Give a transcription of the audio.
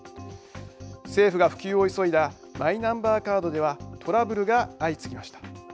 政府が普及を急いだマイナンバーカードではトラブルが相次ぎました。